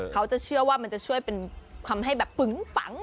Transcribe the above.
เขาจะเชื่อว่ามันจะช่วยเป็นทำให้แบบปึงปัง